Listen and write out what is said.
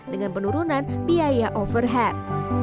dengan penurunan biaya overhead